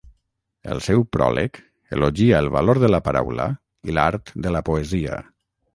El seu pròleg elogia el valor de la paraula i l'art de la poesia.